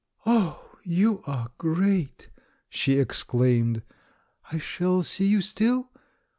"Oh, you are great!" she exclaimed. "I shall see you still?